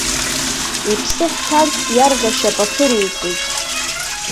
Иԥсы ахьҭаз, иарӷьа шьапы аԥыреикит.